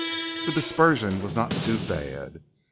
The dispersion was not too bad.